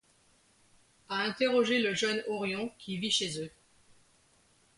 À interroger le jeune Orion qui vit chez eux.